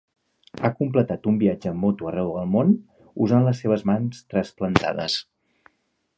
Ha completat un viatge en moto arreu el món usant les seves mans trasplantades.